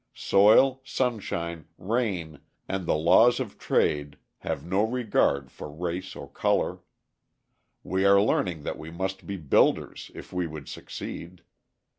Soil, sunshine, rain, and the laws of trade have no regard for race or colour. We are learning that we must be builders if we would succeed.